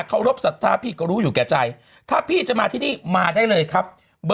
เขารบศรัทธาพี่ก็รู้อยู่แก่ใจถ้าพี่จะมาที่นี่มาได้เลยครับ